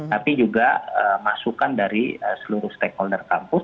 tapi juga masukan dari seluruh stakeholder kampus